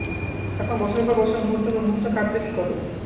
এখন বছরের পর বছর মূহূর্তের পর মূহূর্ত কাটবে কী করে?